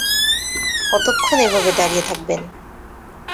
কতক্ষণ এভাবে দাঁড়িয়ে থাকবেন?